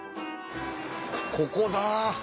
ここだ！